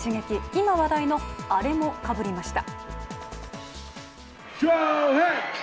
今話題のアレもかぶりました。